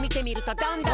「どんどんと」